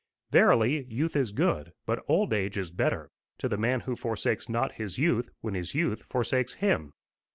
Verily, youth is good, but old age is better to the man who forsakes not his youth when his youth forsakes him.